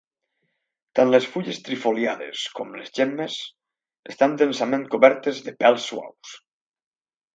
Tant les fulles trifoliades com les gemmes, estan densament cobertes de pèls suaus.